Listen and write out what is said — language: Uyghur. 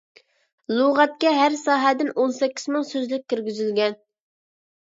لۇغەتكە ھەر ساھەدىن ئون سەككىز مىڭ سۆزلۈك كىرگۈزۈلگەن.